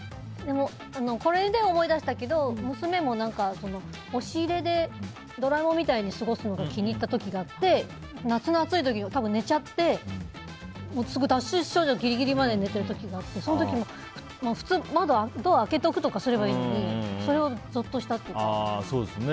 これで思い出したけど娘も押し入れでドラえもんみたいに過ごすのが過ごすのが気に入った時があって夏の暑い時、寝ちゃって脱水症状ぎりぎりまで寝てる時があって普通ドア開けておくとかすればいいのにそれをゾッとしたって言ってた。